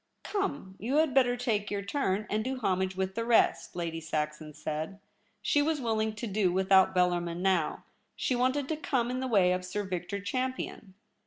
* Come, you had better take your turn, and do homage with the rest,' Lady Saxon said. She was willing to do without Bellarmin now ; she wanted to come in the way of Sir Victor Champion.